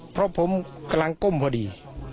เพราะผมกำลังก้มพอดี